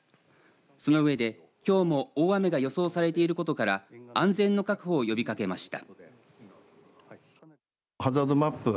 その上できょうも大雨が予想されていることから安全の確保を呼びかけました。